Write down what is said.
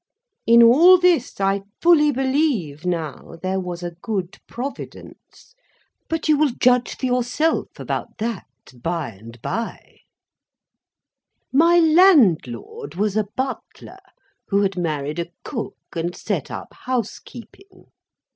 In all this, I fully believe now, there was a good Providence. But, you will judge for yourself about that, bye and bye. My landlord was a butler, who had married a cook, and set up housekeeping.